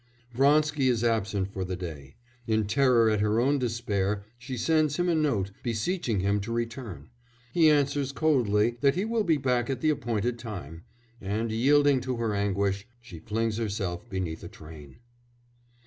Vronsky is absent for the day; in terror at her own despair she sends him a note, beseeching him to return; he answers coldly that he will be back at the appointed time, and, yielding to her anguish, she flings herself beneath a train.